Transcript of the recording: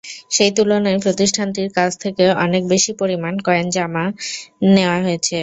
সেই তুলনায় প্রতিষ্ঠানটির কাছ থেকে অনেক বেশি পরিমাণ কয়েন জমা নেওয়া হয়েছে।